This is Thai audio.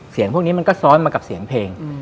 พวกนี้มันก็ซ้อนมากับเสียงเพลง